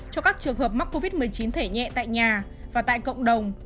cho các trường hợp mắc covid một mươi chín thể nhẹ tại nhà và tại cộng đồng